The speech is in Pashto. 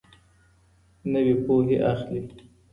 نوي پوهي اخلي